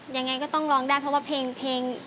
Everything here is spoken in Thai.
ยังไงก็ต้องร้องได้เพราะว่าเพลง